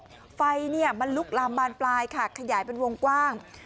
ไปไฟเนี่ยมันลุกลามบานปลายขาดขยายเป็นวงกว้าง